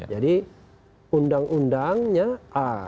jadi undang undangnya a